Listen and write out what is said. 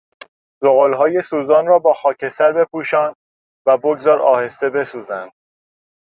زغالهای سوزان را با خاکستر بپوشان و بگذار آهسته بسوزند.